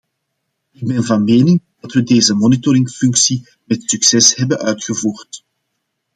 Ik ben van mening dat we deze monitoringfunctie met succes hebben uitgevoerd.